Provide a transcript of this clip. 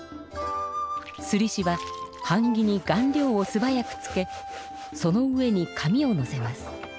すりしははん木に顔料をすばやくつけその上に紙をのせます。